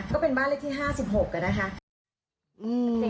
ก็เป็นบ้านเลขที่๕๖นะคะ